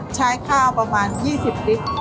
ใช้ข้าวประมาณ๒๐ลิตร